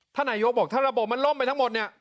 ท่านนายกบอกถ้าระบบมันร่มไปทั้งหมด